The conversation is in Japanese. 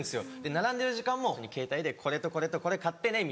並んでる時間もケータイで「これとこれとこれ買ってね」。